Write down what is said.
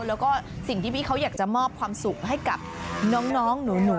แล้วก็สิ่งที่พี่เขาอยากจะมอบความสุขให้กับน้องหนู